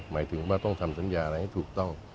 หมายถึงว่าต้องทำสัญญาอะไรให้ถูกต้อง